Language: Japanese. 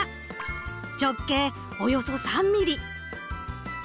直径およそ３ｍｍ。